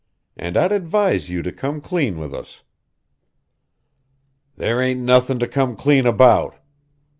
"And I'd advise you to come clean with us." "There ain't nothin' to come clean about."